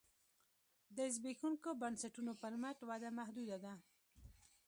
د زبېښونکو بنسټونو پر مټ وده محدوده ده